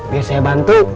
biar saya bantu